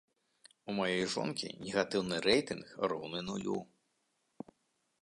У маёй жонкі негатыўны рэйтынг роўны нулю.